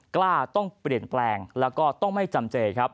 กล้าต้องเปลี่ยนแปลงแล้วก็ต้องไม่จำเจครับ